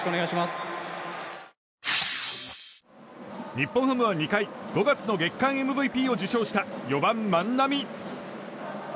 日本ハムは２回５月の月間ＭＶＰを受賞した４番、万波。